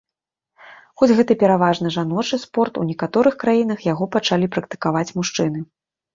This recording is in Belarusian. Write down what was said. Хоць гэта пераважна жаночы спорт, у некаторых краінах яго пачалі практыкаваць мужчыны.